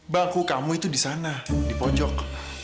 bangku kamu itu disana di pojok